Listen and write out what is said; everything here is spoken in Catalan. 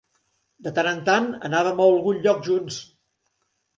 De tant en tant anàvem a algun lloc junts.